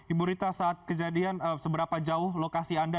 ibu rita saat kejadian seberapa jauh lokasi anda